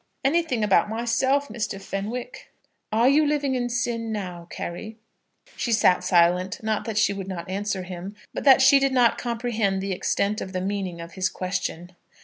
"Anything about myself, Mr. Fenwick?" "Are you living in sin now, Carry?" She sat silent, not that she would not answer him, but that she did not comprehend the extent of the meaning of his question.